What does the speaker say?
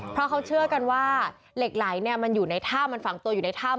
เพราะเขาเชื่อกันว่าเหล็กไหลมันอยู่ในถ้ำมันฝังตัวอยู่ในถ้ำ